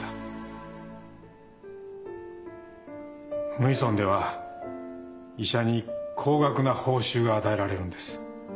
無医村では医者に高額な報酬が与えられるんです。